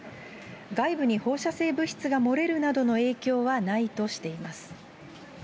外部に放射性物質が漏れるなどの影響はないとしています。